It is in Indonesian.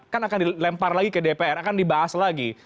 kan akan dilempar lagi ke dpr akan dibahas lagi